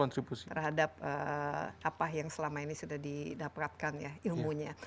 terhadap apa yang selama ini sudah didapatkan ya ilmunya